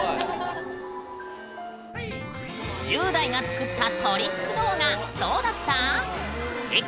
１０代が作ったトリック動画どうだった？